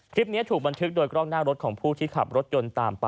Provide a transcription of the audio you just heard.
คลิปนี้ถูกบันทึกโดยกล้องหน้ารถของผู้ที่ขับรถยนต์ตามไป